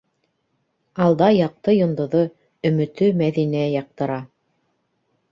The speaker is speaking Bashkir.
Алда яҡты йондоҙо - өмөтө Мәҙинә яҡтыра.